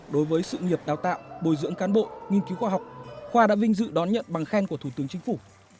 đối với sự nghiệp đào tạo bồi dưỡng cán bộ nghiên cứu khoa học khoa đã vinh dự đón nhận bằng khen của thủ tướng chính phủ